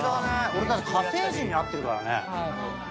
俺火星人に会ってるからね。